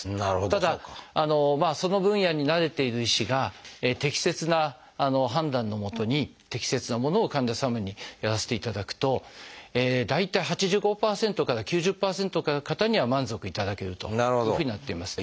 ただその分野に慣れている医師が適切な判断のもとに適切なものを患者様にやらせていただくと大体８５％から９０％の方には満足いただけるというふうになっています。